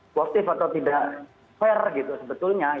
positif atau tidak fair gitu sebetulnya